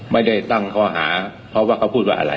ไม่ได้ตั้งข้อหาเพราะว่าเขาพูดว่าอะไร